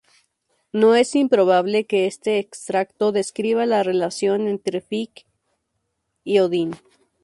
No es improbable que este extracto describa la relación entre Frigg y Odín.